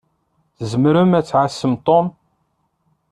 Tzemṛem ad tɛassem Tom?